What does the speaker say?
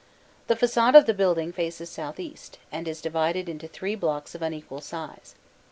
The facade of the building faces south east, and is divided into three blocks of unequal size.